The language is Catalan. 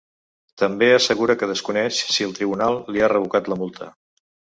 També assegura que desconeix si el tribunal li ha revocat la multa.